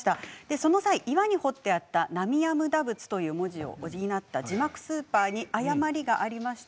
その際、岩に彫ってあった「なむあみだぶつ」という文字を補った字幕スーパーに誤りがありました。